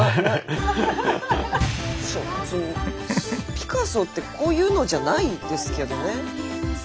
ピカソってこういうのじゃないですけどね。